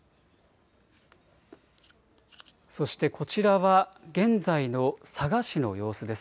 そしてこちらは現在の佐賀市の様子です。